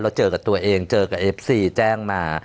เจอกับตัวเองเจอกับเอฟซีแจ้งมา